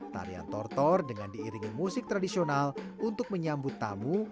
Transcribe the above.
tarian tortor dengan diiringi musik tradisional untuk menyambut tamu